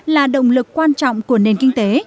là động lực quan trọng của nền kinh tế